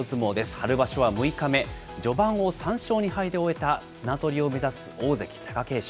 春場所は６日目、序盤を３勝２敗で終えた、綱取りを目指す大関・貴景勝。